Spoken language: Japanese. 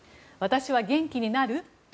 私は元気になる？